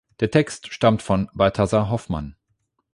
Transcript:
Der Text stammt von Balthasar Hoffmann.